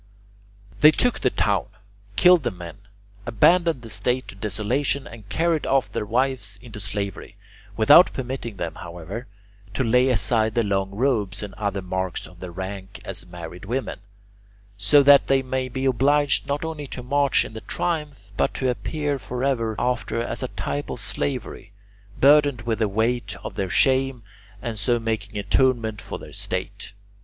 They took the town, killed the men, abandoned the State to desolation, and carried off their wives into slavery, without permitting them, however, to lay aside the long robes and other marks of their rank as married women, so that they might be obliged not only to march in the triumph but to appear forever after as a type of slavery, burdened with the weight of their shame and so making atonement for their State.